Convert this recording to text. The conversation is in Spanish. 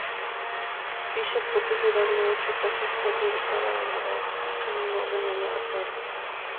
Fisher propuso darle ocho tazas, cuatro de cada variedad, en un orden aleatorio.